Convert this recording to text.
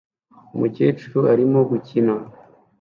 Umukecuru arimo gukina